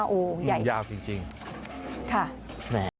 โอ้โฮใหญ่จริงค่ะแหม่ง